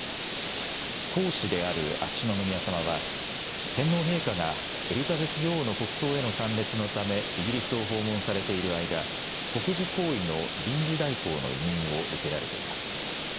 皇嗣である秋篠宮さまは天皇陛下がエリザベス女王の国葬への参列のためイギリスを訪問されている間、国事行為の臨時代行の委任を受けられています。